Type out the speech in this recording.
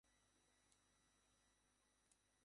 এই প্রোটোকলগুলো সবার নিরাপত্তার জন্য তৈরী করা হয়েছিল।